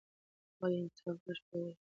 هغه د انصاف غږ پياوړی کړ.